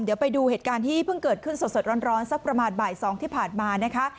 เดี๋ยวไปดูเหตุการณ์ที่เพิ่งเกิดขึ้นสดร้อนสักประมาณบ่าย๒ที่ผ่านมานะคะ